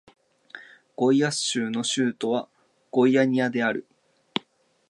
ゴイアス州の州都はゴイアニアである